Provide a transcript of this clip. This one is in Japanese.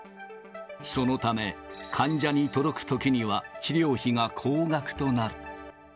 そのため、患者に届くときには、治療費が高額となる。